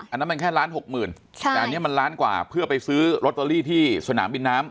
อันนั้นมันแค่ล้านหกหมื่นแต่อันนี้มันล้านกว่าเพื่อไปซื้อลอตเตอรี่ที่สนามบินน้ำ